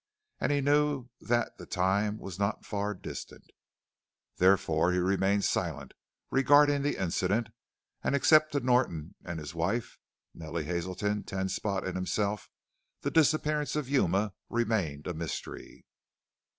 And he knew that the time was not far distant. Therefore he remained silent regarding the incident, and except to Norton and his wife, Nellie Hazelton, Ten Spot, and himself, the disappearance of Yuma remained a mystery.